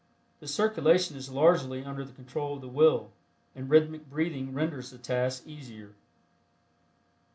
The circulation is largely under the control of the will and rhythmic breathing renders the task easier.